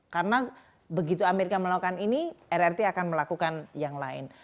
karena begitu amerika melakukan ini rrt akan melakukan yang lain